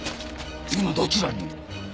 今どちらに？